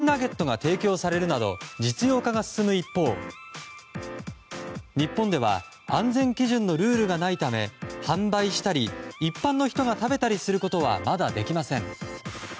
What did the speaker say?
海外では培養チキンナゲットが提供されるなど実用化が進む一方、日本では安全基準のルールがないため販売したり一般の人が食べたりすることはまだできません。